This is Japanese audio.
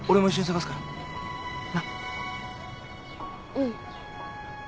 うん。